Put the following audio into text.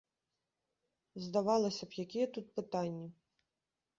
Здавалася б, якія тут пытанні.